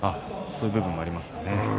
そういう部分がありますかね。